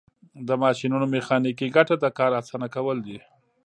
د ماشینونو میخانیکي ګټه د کار اسانه کول دي.